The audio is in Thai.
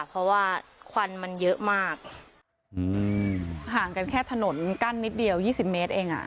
เพราะว่าควันมันเยอะมากห่างกันแค่ถนนกั้นนิดเดียวยี่สิบเมตรเองอ่ะ